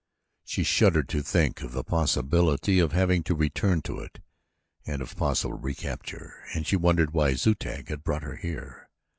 She shuddered to think of the possibility of having to return to it and of possible recapture, and she wondered why Zu tag had brought her here.